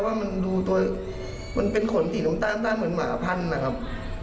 ว่ามันดูตัวมันเป็นขนสีน้ำตาลเหมือนหมาพันธุ์นะครับ